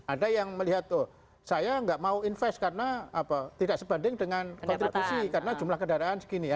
ada yang melihat saya nggak mau invest karena tidak sebanding dengan kontribusi karena jumlah kendaraan segini ya